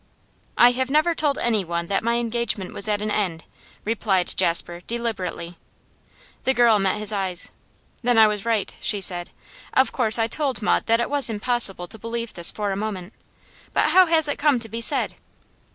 'I have never told anyone that my engagement was at an end,' replied Jasper, deliberately. The girl met his eyes. 'Then I was right,' she said. 'Of course I told Maud that it was impossible to believe this for a moment. But how has it come to be said?